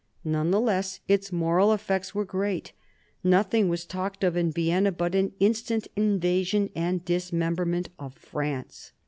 None the less its moral effects were great. Nothing was talked of in Vienna but an instant invasion and dismemberment of France.